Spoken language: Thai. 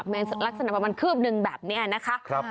มันลักษณะมันคืบหนึ่งแบบเนี่ยนะคะ